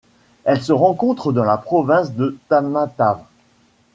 Elle se rencontre dans la province de Tamatave.